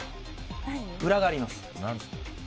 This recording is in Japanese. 裏があります。